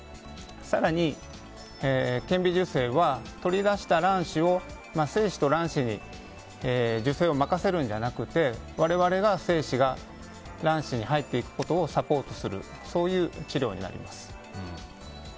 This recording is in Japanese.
更に、顕微授精は取り出した卵子を、精子と卵子に受精を任せるのではなくて我々が精子が卵子に入っていくことをサポートするそういう治療になります。